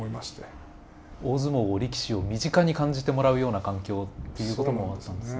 大相撲を力士を身近に感じてもらうような環境をっていうこともあったんですね。